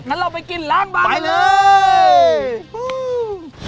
งั้นเราไปกินร้านบางเลยครับไปเลยฮู้